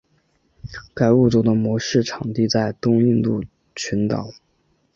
该物种的模式产地在东印度群岛。